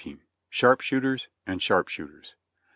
SHARPSHOOTERS AND SHARPSHOOTERS.